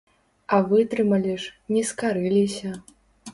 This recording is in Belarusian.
А вытрымалі ж, не скарыліся!